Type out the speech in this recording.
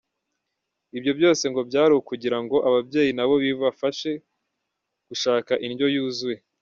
Ibyo byose ngo byari ukugira ngo ababyeyi nabo bifashe gushaka indyo yuzuye.